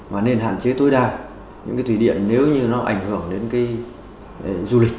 và nên hạn chế tối đa những cái thủy điện nếu như nó ảnh hưởng đến cái du lịch